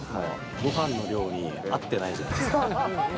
ごはんの量に合ってないじゃないですか。